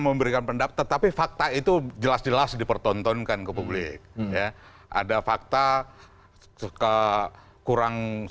memberikan pendapat tetapi fakta itu jelas jelas dipertontonkan ke publik ya ada fakta suka kurang